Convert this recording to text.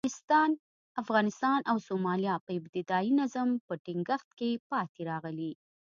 افغانستان او سومالیا په ابتدايي نظم په ټینګښت کې پاتې راغلي.